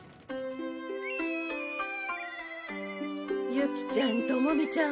ユキちゃんトモミちゃん